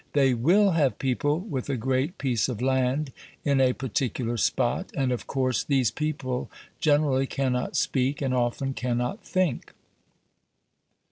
They WILL have people with a great piece of land in a particular spot, and of course these people generally cannot speak, and often cannot think.